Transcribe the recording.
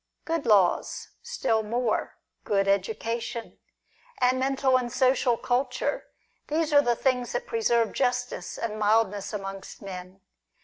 Good laws, still more, good edu cation, and mental and social culture, — these are the things that preserve justice and mildness amongst men.